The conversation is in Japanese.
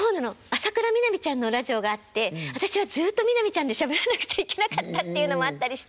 浅倉南ちゃんのラジオがあって私はずっと南ちゃんでしゃべらなくちゃいけなかったっていうのもあったりして。